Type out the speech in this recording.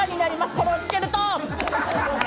これをつけると！